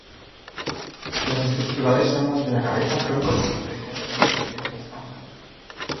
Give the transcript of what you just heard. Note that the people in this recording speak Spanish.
Las estructurales son las de la cabeza, troncos y extremidades en posiciones estándar.